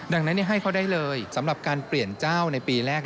ดังนั้นให้เขาได้เลยสำหรับการเปลี่ยนเจ้าในปีแรก